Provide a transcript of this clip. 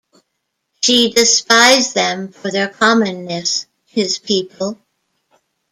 She despised them for their commonness, his people.